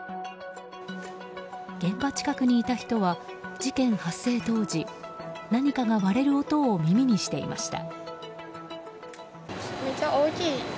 現場近くにいた人は事件発生当時何かが割れる音を耳にしていました。